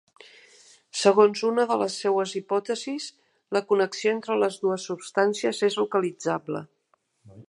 Segons una de les seues hipòtesis, la connexió entre les dues substàncies és localitzable.